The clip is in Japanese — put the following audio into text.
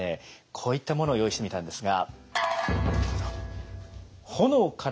こういったものを用意してみたんですが。